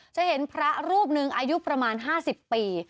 จะเห็นพระรูปหนึ่งอายุประมาณ๕๐ปี